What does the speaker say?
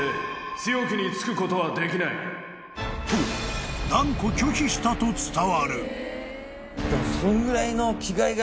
［と断固拒否したと伝わる］